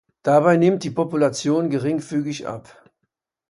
Dabei nimmt die Population geringfügig ab.